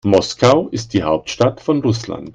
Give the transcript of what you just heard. Moskau ist die Hauptstadt von Russland.